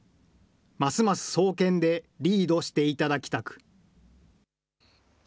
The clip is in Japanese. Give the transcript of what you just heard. ますます壮健でリードしていただきたく。